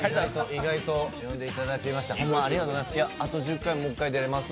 意外と呼んでいただいて、ありがとうございます。